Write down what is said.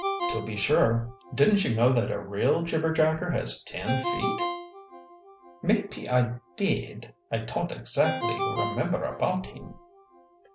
"To be sure. Didn't you know that a real jibberjacker has ten feet?" "Maype I did I ton't oxactly remember about him."